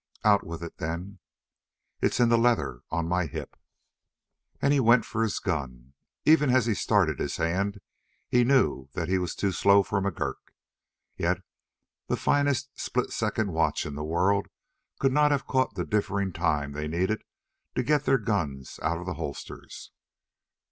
"Out with it, then." "It's in the leather on my hip." And he went for his gun. Even as he started his hand he knew that he was too slow for McGurk, yet the finest splitsecond watch in the world could not have caught the differing time they needed to get their guns out of the holsters.